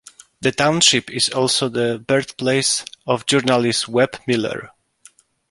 The township is also the birthplace of journalist Webb Miller.